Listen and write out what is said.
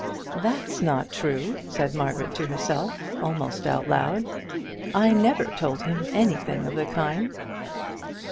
"That's not true," said Margaret to herself, almost out loud; "I never told him anything of the kind."